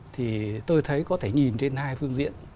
thì tôi thấy có thể nhìn trên hai phương diện